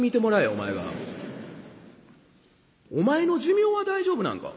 お前の寿命は大丈夫なんか？